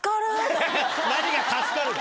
何が「助かる」だ。